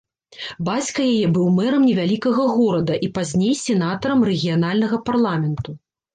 Бацька яе быў мэрам невялікага горада і пазней сенатарам рэгіянальнага парламенту.